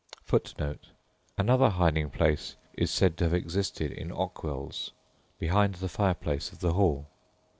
[Footnote 1: Another hiding place is said to have existed behind the fireplace of the hall.